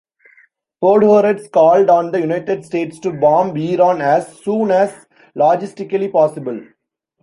Podhoretz called on the United States to bomb Iran as "soon as logistically possible".